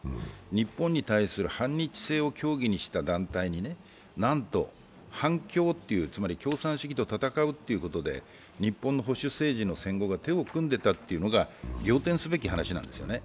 日本に対する反日性を教義にした団体になんと反共という、つまり共産主義と戦うということで日本の戦後の保守政治が手を組んでいたという仰天すべき話なんですね。